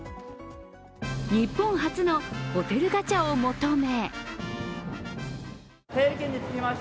日本初のホテルガチャを求め